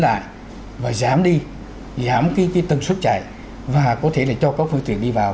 lại và giảm đi giảm cái tần suất chạy và có thể là cho các phương tiện đi vào